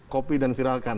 copy dan viralkan